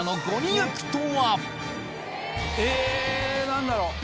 え何だろう？